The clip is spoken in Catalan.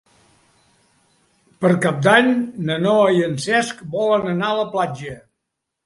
Per Cap d'Any na Noa i en Cesc volen anar a la platja.